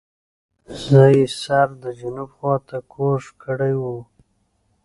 زه یې سر د جنوب خواته کوږ کړی وو.